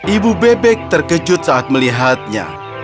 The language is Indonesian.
ibu bebek terkejut saat melihatnya